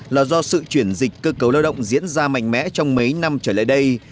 là do sự chuyển dịch cơ cấu lao động diễn ra mạnh mẽ trong mấy năm trở lại đây